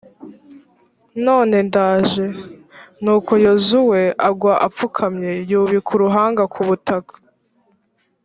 none ndaje.» nuko yozuwe agwa apfukamye, yubika uruhanga ku butaka.